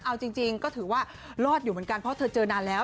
เอาจริงก็ถือว่ารอดอยู่เหมือนกันเพราะเธอเจอนานแล้ว